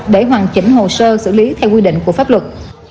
để hoàn chỉnh hồ sơ xử lý theo quy định của pháp luật